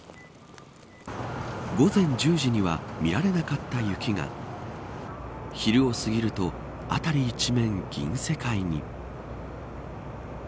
午前１０時には見られなかった雪が昼を過ぎると辺り一面、銀世界に。